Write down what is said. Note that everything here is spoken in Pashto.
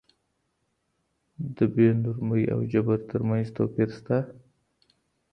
د بې نورمۍ او جبر تر منځ توپير سته.